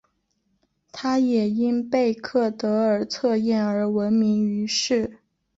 她也因贝克德尔测验而闻名于世。